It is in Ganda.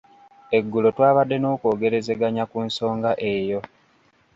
Eggulo twabadde n'okwogerezeganya ku nsonga eyo.